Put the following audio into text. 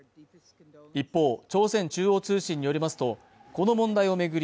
一方朝鮮中央通信によりますとこの問題を巡り